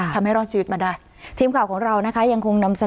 ทำให้รอดชีวิตมาได้ทีมข่าวของเรานะคะยังคงนำเสนอ